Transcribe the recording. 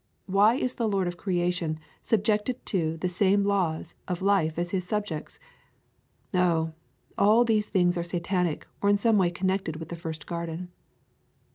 Why is the lord of creation subjected to the same laws of life as his subjects? Oh, all these things are satanic, or in some way connected with the first garden.